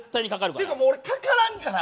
っていうかもう俺かからんから。